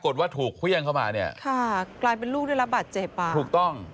ว่าถูกเครื่องเข้ามาเนี่ยค่ะกลายเป็นลูกได้รับบาดเจ็บอ่ะถูกต้อง